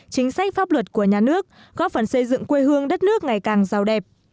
chính sách pháp luật của nhà nước góp phần xây dựng quê hương đất nước ngày càng giàu đẹp